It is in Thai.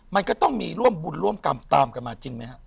มันก็ต้องมีร่วมบุญร่วมกรรมตามกันมาจริงไหมฮะ